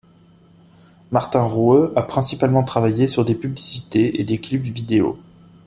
Martin Ruhe a principalement travaillé sur des publicités et des clips vidéos.